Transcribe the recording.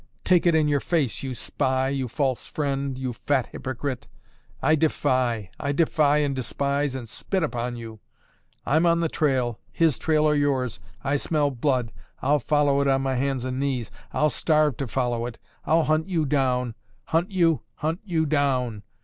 Take it in your face, you spy, you false friend, you fat hypocrite! I defy, I defy and despise and spit upon you! I'm on the trail, his trail or yours, I smell blood, I'll follow it on my hands and knees, I'll starve to follow it! I'll hunt you down, hunt you, hunt you down!